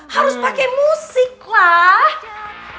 harus pake musik lah